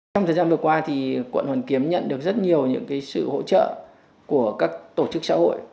trong thời gian vừa qua quận hoàn kiếm nhận được rất nhiều những sự hỗ trợ của các tổ chức xã hội